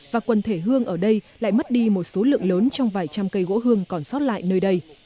và quần thể hương ở đây lại mất đi một số lượng lớn trong vài trăm cây gỗ hương còn sót lại nơi đây